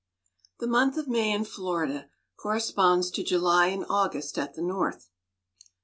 The month of May in Florida corresponds to July and August at the north.